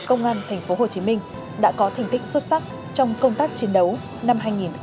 công an tp hcm đã có thành tích xuất sắc trong công tác chiến đấu năm hai nghìn hai mươi ba